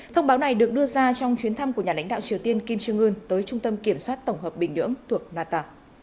thông báo này được đưa ra trong chuyến thăm của nhà lãnh đạo triều tiên kim trương ưn tới trung tâm kiểm soát tổng hợp bình nhưỡng thuộc nata